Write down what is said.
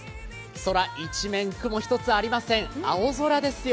空一面、雲一つありません、青空ですよ。